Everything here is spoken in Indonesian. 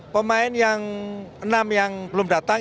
enam pemain yang belum datang